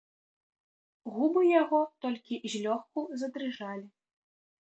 Губы яго толькі злёгку задрыжалі.